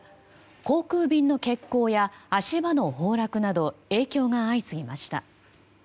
航空便の欠航や足場の崩落など影響が相次ぎました。